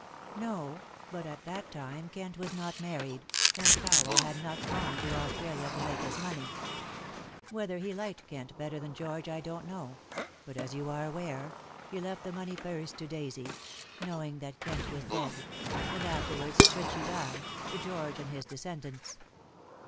"No. But at that time Kent was not married, and Powell had not gone to Australia to make his money. Whether he liked Kent better than George I don't know, but, as you are aware, he left the money first to Daisy knowing that Kent was dead and afterwards, should she die, to George and his descendants."